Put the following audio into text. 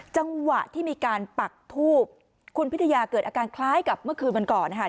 จังหวะที่มีการปักทูบคุณพิทยาเกิดอาการคล้ายกับเมื่อคืนวันก่อนนะคะ